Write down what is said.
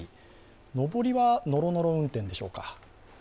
上りはのろのろ運転でしょうか。